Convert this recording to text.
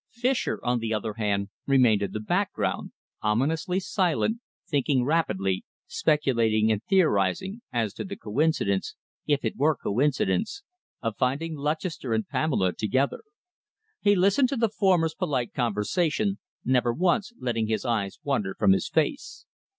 Fischer on the other hand, remained in the back ground, ominously silent, thinking rapidly, speculating and theorising as to the coincidence, if it were coincidence, of finding Lutchester and Pamela together. He listened to the former's polite conversation, never once letting his eyes wander from his face.